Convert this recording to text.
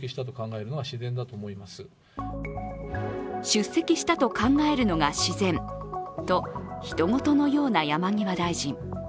出席したと考えるのが自然と、ひと事のような山際大臣。